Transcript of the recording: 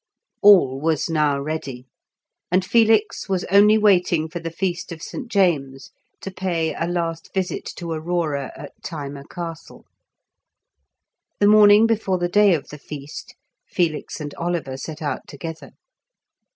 All was now ready, and Felix was only waiting for the Feast of St. James to pay a last visit to Aurora at Thyma Castle. The morning before the day of the Feast, Felix and Oliver set out together.